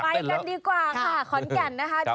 ไปกันดีกว่าค่ะขอนแก่นนะคะ